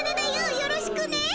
よろしくね。